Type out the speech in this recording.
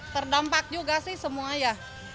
terdampak juga sih semua ya